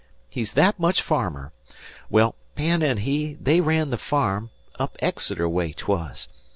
He's thet much farmer. Well, Penn an' he they ran the farm up Exeter way 'twur.